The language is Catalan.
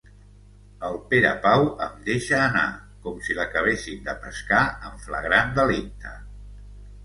El Perepau em deixa anar, com si l'acabessin de pescar en flagrant delicte.